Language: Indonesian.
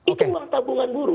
itu mah tabungan buru